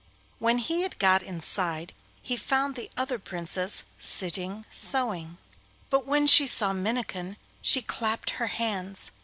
When he had got inside he found the other Princess sitting sewing, but when she saw Minnikin she clapped her hands.